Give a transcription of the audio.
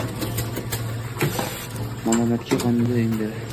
Malomatga qoldi endi